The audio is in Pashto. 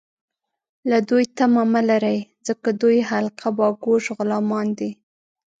له دوی تمه مه لرئ ، ځکه دوی حلقه باګوش غلامان دي